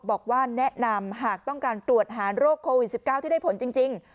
บอกว่าแนะนำหากต้องการตรวจหาโรคโควิด๑๙ที่ได้ผลจริง